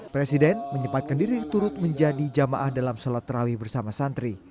presiden menyempatkan diri turut menjadi jamaah dalam sholat terawih bersama santri